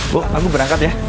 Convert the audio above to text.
bu aku berangkat ya